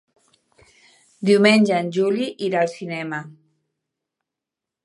Diumenge en Juli irà al cinema.